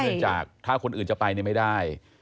เนื่องจากถ้าคนอื่นจะไปไม่ได้